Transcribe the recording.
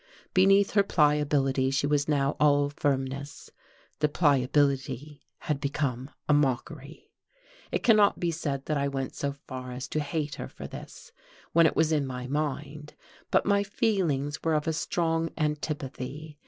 Beneath her pliability she was now all firmness; the pliability had become a mockery. It cannot be said that I went so far as to hate her for this, when it was in my mind, but my feelings were of a strong antipathy.